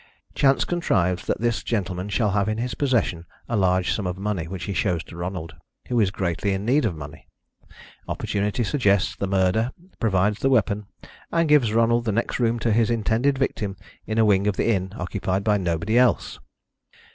Chance contrives that this gentleman shall have in his possession a large sum of money which he shows to Ronald, who is greatly in need of money. Opportunity suggests the murder, provides the weapon, and gives Ronald the next room to his intended victim in a wing of the inn occupied by nobody else.